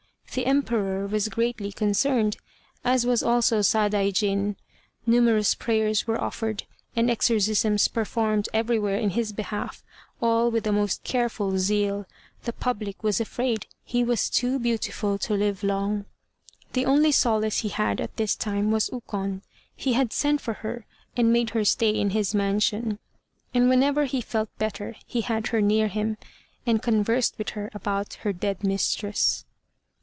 The Emperor was greatly concerned, as was also Sadaijin. Numerous prayers were offered, and exorcisms performed everywhere in his behalf, all with the most careful zeal. The public was afraid he was too beautiful to live long. The only solace he had at this time was Ukon; he had sent for her, and made her stay in his mansion. And whenever he felt better he had her near him, and conversed with her about her dead mistress.